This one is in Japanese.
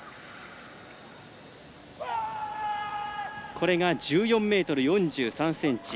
これが１４ｍ４３ｃｍ。